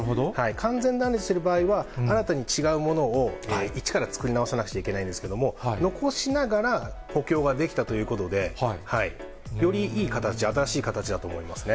完全に断裂している場合は、新たに違うものを一から作り直さなきゃいけないんですけど、残しながら、補強ができたということで、よりいい形、新しい形だと思いますね。